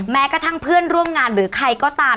แม้กระทั่งเพื่อนร่วมงานหรือใครก็ตาม